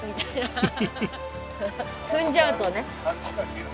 踏んじゃうとね。